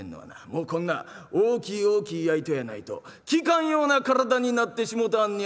もうこんな大きい大きい灸やないと効かんような体になってしもうたんやさかいな」。